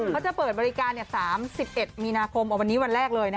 เขาจะเปิดบริการ๓๑มีนาคมวันนี้วันแรกเลย